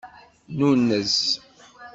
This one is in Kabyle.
Nunez.